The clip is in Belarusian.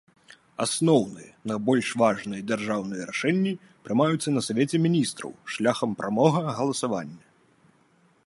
Асноўныя, найбольш важныя дзяржаўныя рашэнні прымаюцца на савеце міністраў шляхам прамога галасавання.